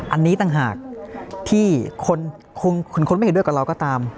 อันนี้ต่างหากที่คนไม่เห็นด้วยกับเราก็ตาม